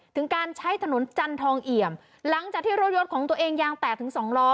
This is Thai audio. ถึงการใช้ถนนจันทองเอี่ยมหลังจากที่รถยดของตัวเองยางแตกถึงสองล้อ